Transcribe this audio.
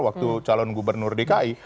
waktu calon gubernur dki